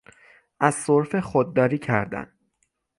از سرفه خود داری کردن